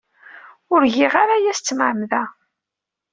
Ur giɣ ara aya s tmeɛmada.